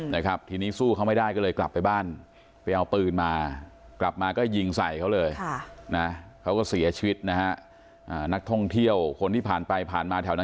นะครับทีนี้สู้เขาไม่ได้ก็เลยกลับไปบ้าน